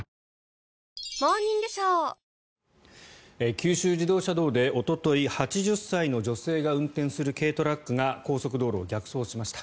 九州自動車道で、おととい８０歳の女性が運転する軽トラックが高速道路を逆走しました。